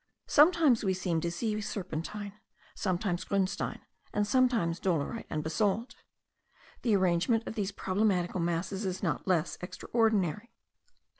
Sometimes we seem to see serpentine, sometimes grunstein, and sometimes dolerite and basalt. The arrangement of these problematical masses is not less extraordinary.